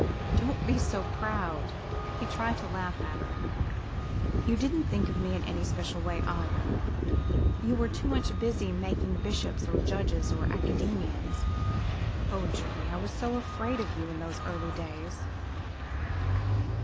Don't be so proud!" He tried to laugh at her. "You didn't think of me in any special way, either. You were much too busy making bishops, or judges, or academicians. Oh, Julie, I was so afraid of you in those early days!"